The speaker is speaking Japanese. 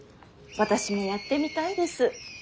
私もやってみたいです。